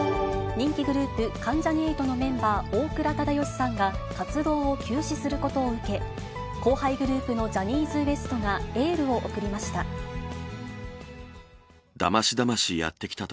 人気グループ、関ジャニ∞のメンバー、大倉忠義さんが活動を休止することを受け、後輩グループのジャニーズＷＥＳＴがエールを送りました。